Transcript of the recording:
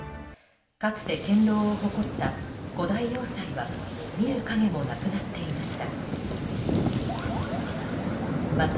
かつて堅牢を誇った古代要塞は見る影もなくなっていました。